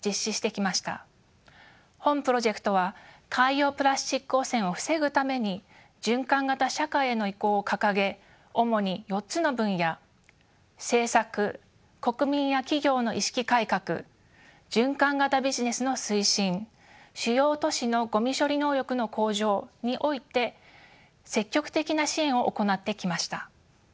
本プロジェクトは海洋プラスチック汚染を防ぐために循環型社会への移行を掲げ主に４つの分野「政策」「国民や企業の意識改革」「循環型ビジネスの推進」「主要都市のごみ処理能力の向上」において積極的な支援を行ってきました。